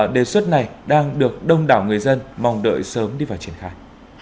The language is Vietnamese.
đề xuất này đang được đông đảo người dân mong đợi sớm đi vào triển khai